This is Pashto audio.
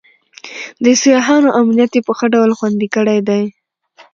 د سیاحانو امنیت یې په ښه ډول خوندي کړی دی.